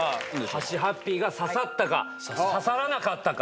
はっしーはっぴーが刺さったか刺さらなかったか。